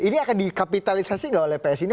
ini akan dikapitalisasi gak oleh ps ini